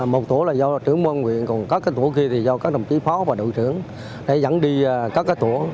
một tổ là do trưởng môn huyện còn các tổ kia thì do các đồng chí phó và đội trưởng dẫn đi các tổ